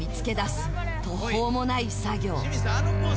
途方もない作業」